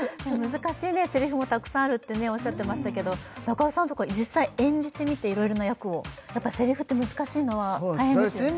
難しいせりふもたくさんあるっておっしゃってましたけど中尾さんとか実際演じてみていろいろな役をやっぱせりふって難しいのは大変ですよね